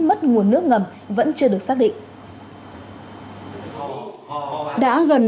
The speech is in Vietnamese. mất nguồn nước ngầm vẫn chưa được xác định